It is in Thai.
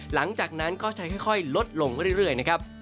หลังจากนั้นก็จะค่อยลดลงเรื่อยนะครับ